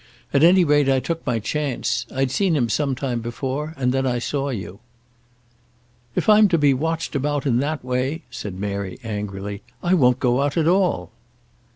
At any rate I took my chance. I'd seen him some time before, and then I saw you." "If I'm to be watched about in that way," said Mary angrily, "I won't go out at all."